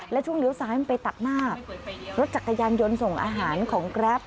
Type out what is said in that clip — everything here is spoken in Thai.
และช่วงเลี้ยวซ้ายมันไปตัดหน้ารถจักรยานยนต์ส่งอาหารของแกรป